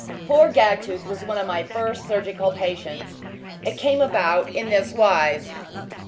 Poor Gagtooth was one of my first surgical patients. It came about in this wise.